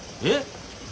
えっ。